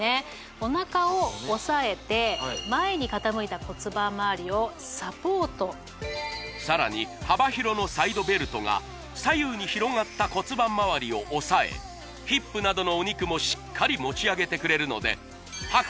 おなかを押さえて前に傾いた骨盤周りをサポートさらに幅広のサイドベルトが左右に広がった骨盤周りを押さえヒップなどのお肉もしっかり持ち上げてくれるのではく